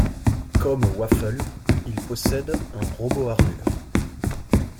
Comme Waffle, il possède un RoboArmure.